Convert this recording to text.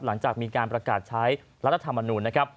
หลังจากมีการประกาศใช้รัฐธรรมนูญนะครับ